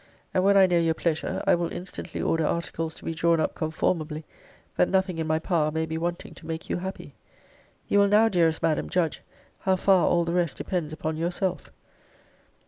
And when I know your pleasure, I will instantly order articles to be drawn up comformably, that nothing in my power may be wanting to make you happy. 'You will now, dearest Madam, judge, how far all the rest depends upon yourself.'